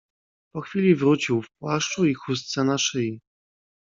"Po chwili wrócił w płaszczu i chustce na szyi."